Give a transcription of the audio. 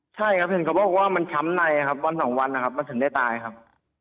ใช่ครับเห็นเขาบอกว่ามันช้ำในครับวันสองวันนะครับมันถึงได้ตายครับ